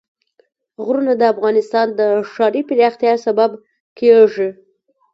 غرونه د افغانستان د ښاري پراختیا سبب کېږي.